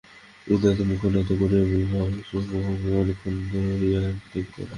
উদয়াদিত্য মুখ নত করিয়া বিভার সেই মুখখানি অনেকক্ষণ ধরিয়া দেখিতে লাগিলেন।